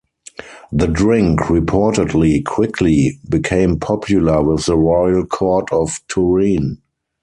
The drink reportedly quickly became popular with the royal court of Turin.